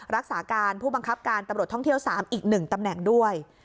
รักษาการผู้บังคับการตำรวจท่องเที่ยว๓อีก๑ตำแหน่งด้วย